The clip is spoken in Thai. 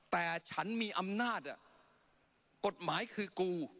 แต่ฉันมีอำนาจกฎหมายคือกู